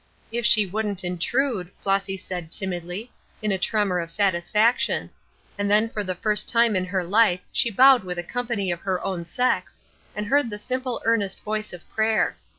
"If she wouldn't intrude," Flossy said, timidly, in a tremor of satisfaction; and then for the first time in her life she bowed with a company of her own sex, and heard the simple earnest voice of prayer.